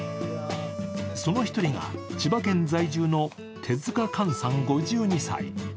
その一人が、千葉県在住の手塚寛さん５２歳。